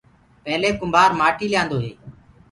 پيلي ڪُنڀآ ڪآٽيٚ ليآندو هي۔